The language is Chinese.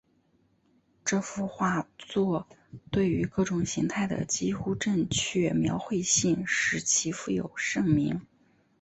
这幅画作对于各种形态的几乎正确描绘性使其负有盛名。